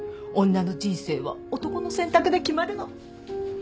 女の人生は男の選択で決まるの。